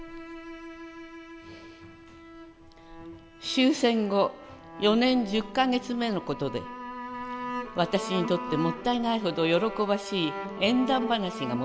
「終戦後四年十ヶ月目のことで私にとって勿体ないほど喜ばしい縁談話が持ち上がりました。